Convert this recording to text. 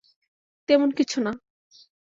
তেমন কিছু না।